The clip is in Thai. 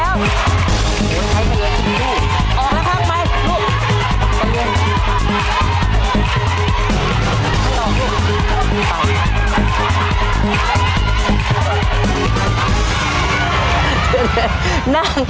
ยืนแบบแกสุดโลกไม่รู้ไหม